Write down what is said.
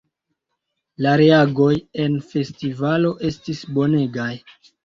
La reagoj en festivalo estis bonegaj!